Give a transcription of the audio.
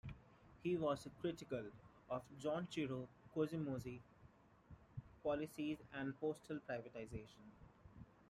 He was critical of Junichiro Koizumi's policies and postal privatization.